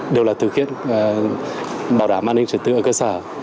đều là thực hiện bảo đảm an ninh trật tự ở cơ sở